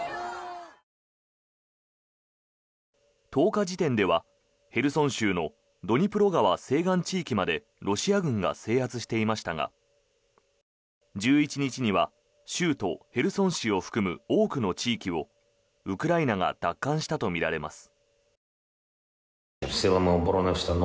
１０日時点ではヘルソン州のドニプロ川西岸地域までロシア軍が制圧していましたが１１日には州都ヘルソン市を含む多くの地域をウクライナが奪還したとみられます。